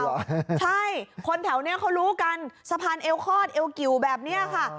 ใช่คนแถวนี้เขารู้กันสะพานเอวคลอดเอวกิวแบบนี้ค่ะ